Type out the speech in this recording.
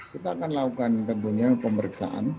kita akan lakukan tentunya pemeriksaan